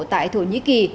tại thổ nhĩ kỳ